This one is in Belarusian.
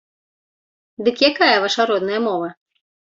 Дык якая ваша родная мова?